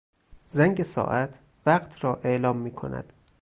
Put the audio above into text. زنگ ساعت وقت را اعلام میکند.